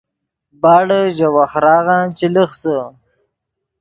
باڑے ژے وَخۡراغن چے لخسے